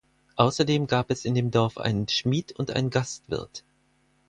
Außerdem gab es in dem Dorf einen Schmied und ein Gastwirt.